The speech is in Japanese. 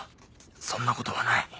そんなことはない。